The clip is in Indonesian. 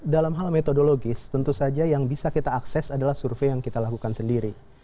dalam hal metodologis tentu saja yang bisa kita akses adalah survei yang kita lakukan sendiri